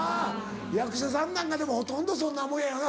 役者さんなんかでもほとんどそんなもんやよな